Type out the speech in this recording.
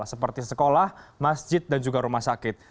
seperti sekolah masjid dan juga rumah sakit